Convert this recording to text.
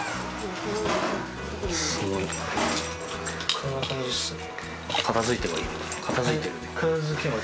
こんな感じっすね。